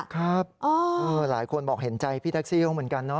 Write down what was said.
ครับหลายคนบอกเห็นใจพี่แท็กซี่เขาเหมือนกันเนอ